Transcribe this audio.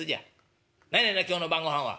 「何やねんな今日の晩ごはんは」。